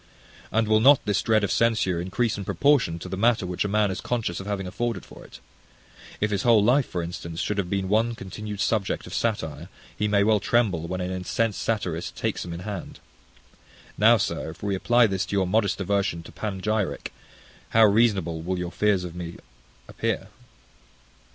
And will not this dread of censure increase in proportion to the matter which a man is conscious of having afforded for it? If his whole life, for instance, should have been one continued subject of satire, he may well tremble when an incensed satirist takes him in hand. Now, sir, if we apply this to your modest aversion to panegyric, how reasonable will your fears of me appear!